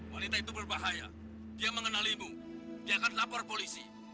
wanita itu berbahaya dia mengenalimu dia akan lapor polisi